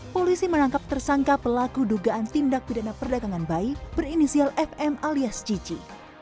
polisi menangkap tersangka pelaku dugaan tindak pidana perdagangan bayi berinisial fm alias cici